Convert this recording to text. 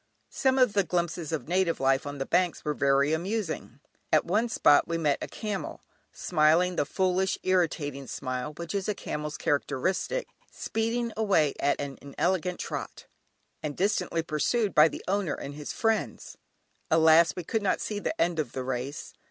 Some of the glimpses of native life on the banks were very amusing. At one spot we met a camel, smiling the foolish irritating smile which is a camel's characteristic, speeding away at an inelegant trot, and distantly pursued by the owner and his friends; alas! we could not see the end of the race.